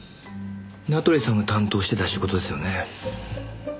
名取さんが担当してた仕事ですよね。